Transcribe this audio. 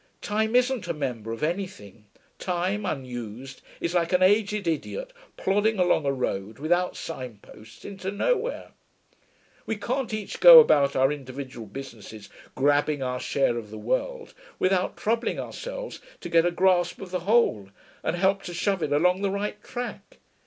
Time isn't a mender of anything: time, unused, is like an aged idiot plodding along a road without signposts into nowhere.... We can't each go about our individual businesses grabbing our share of the world without troubling ourselves to get a grasp of the whole and help to shove it along the right track.